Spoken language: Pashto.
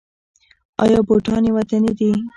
آیا بوټان یې وطني دي؟